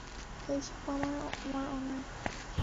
এই সব আমার অন্যায়!